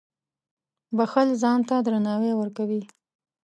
• بښل ځان ته درناوی ورکوي.